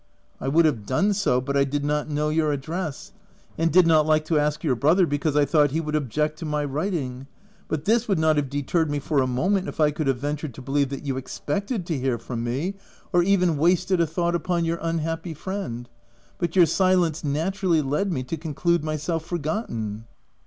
" I would have done so, but I did not know your address, and did not like to ask your brother, because 1 thought he would object to my writing — but this would not have deterred me for a moment, if I could have ventured to believe that you expected to hear from me, or OF WIL.DFELL HALL. 325 even wasted a thought upon your unhappy friend ; but your silence naturally led me to conclude myself forgotten."